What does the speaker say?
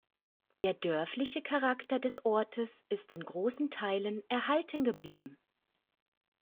Der dörfliche Charakter des Ortes ist in großen Teilen erhalten geblieben.